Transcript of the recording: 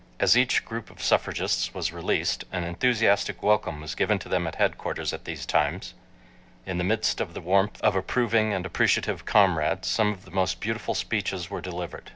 As each group of suffragists was released an enthusiastic welcome was given to them at headquarters and at these times, in the midst of the warmth of approving and appreciative comrades, some of the most beautiful speeches were delivered.